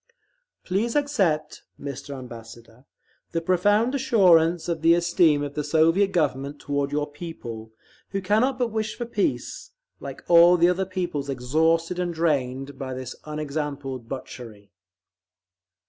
Please accept, Mr. Ambassador, the profound assurance of the esteem of the Soviet Government toward your people, who cannot but wish for peace, like all the other peoples exhausted and drained by this unexampled butchery….